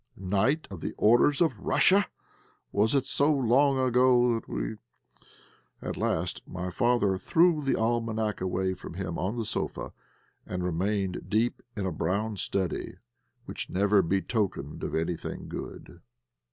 Knight of the Orders of Russia! Was it so long ago that we " At last my father threw the Almanack away from him on the sofa, and remained deep in a brown study, which never betokened anything good.